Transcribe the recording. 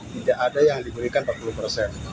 tidak ada yang diberikan empat puluh persen